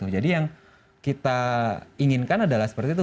jadi yang kita inginkan adalah seperti itu